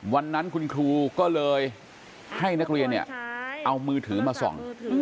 วันนั้นคุณครูก็เลยให้นักเรียนเนี่ยเอามือถือมาส่อง